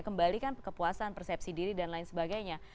kembalikan kepuasan persepsi diri dan lain sebagainya